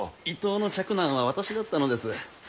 伊東の嫡男は私だったのです。